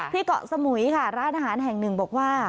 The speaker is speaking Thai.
เกาะสมุยค่ะร้านอาหารแห่งหนึ่งบอกว่า